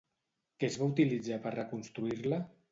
Què es va utilitzar per reconstruir-la?